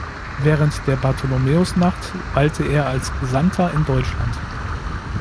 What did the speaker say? Während der Bartholomäusnacht weilte er als Gesandter in Deutschland.